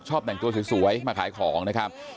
แต่งตัวสวยมาขายของนะครับ